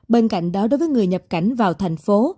bên cạnh đó đối với người nhập cảnh vào thành phố